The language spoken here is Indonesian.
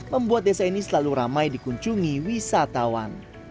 membuat desa ini selalu ramai dikunjungi wisatawan